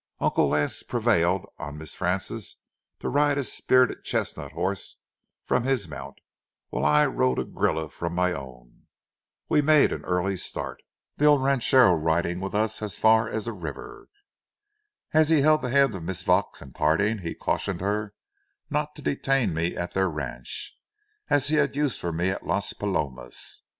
Uncle Lance prevailed on Miss Frances to ride a spirited chestnut horse from his mount, while I rode a grulla from my own. We made an early start, the old ranchero riding with us as far as the river. As he held the hand of Miss Vaux in parting, he cautioned her not to detain me at their ranch, as he had use for me at Las Palomas.